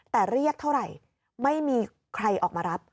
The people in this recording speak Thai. แต่เรียกเท่าไหร่ไม่มีใครออกมารับ